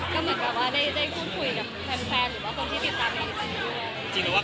ก็เหมือนกับว่าได้พูดคุยกับแฟนหรือว่าคนที่ติดตามเรื่องนี้ด้วย